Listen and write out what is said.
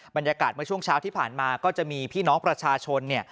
บรรยากาศเมื่อช่วงเช้าที่ผ่านมาก็จะมีพี่น้องประชาชนเนี่ย